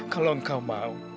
kalau engkau mau